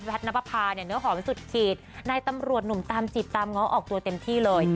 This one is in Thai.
แพทย์นับภาพเนื้อหอมสุดขีดนายตำรวจหนุ่มตามจิตตามง้อออกตัวเต็มที่เลย